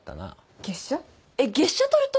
えっ月謝取ると？